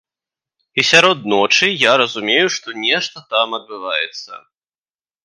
І сярод ночы я разумею, што нешта там адбываецца.